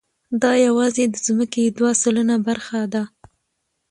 دا یواځې د ځمکې دوه سلنه برخه وه.